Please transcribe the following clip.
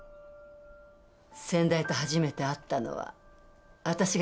先代と初めて会ったのは私が１８の時。